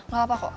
gak apa kok